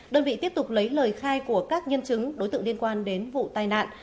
đơn vị tiếp tục lấy lời khai của các nhân chứng đối tượng liên quan đến vụ tai nạn